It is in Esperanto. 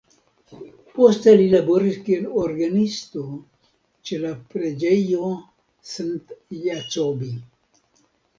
Poste li laboris kiel orgenisto ĉe la preĝejo St.-Jacobi.